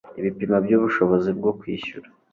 ibipimo by ubushobozi bwo kwishyura